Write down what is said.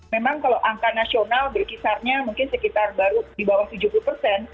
memang kalau angka nasional berkisarnya mungkin sekitar baru di bawah tujuh puluh persen